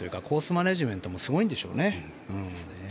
マネジメントもすごいんでしょうね。